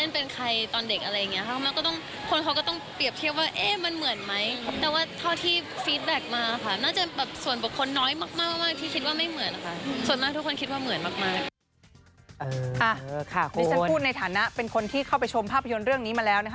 ดิฉันพูดในฐานะเป็นคนที่เข้าไปชมภาพยนตร์เรื่องนี้มาแล้วนะคะ